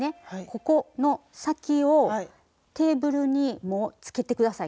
ここの先をテーブルにもうつけて下さい。